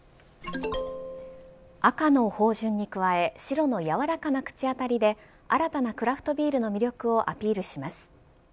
赤の豊潤に加え白のやわらかな口当たりで新たなクラフトビールの魅力をアピールします。